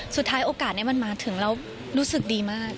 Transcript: สุดท้ายโอกาสนี้มันมาถึงเรารู้สึกดีมาก